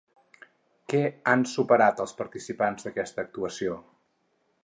Què han superat els participants d'aquesta actuació?